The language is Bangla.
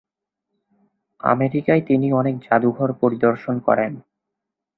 আমেরিকায় তিনি অনেক জাদুঘর পরিদর্শন করেন।